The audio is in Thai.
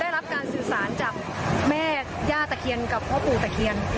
รับการสื่อสารจากแม่ย่าตะเคียนกับพ่อปู่ตะเคียน